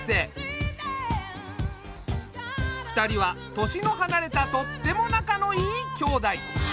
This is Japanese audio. ２人は年の離れたとっても仲のいい兄妹。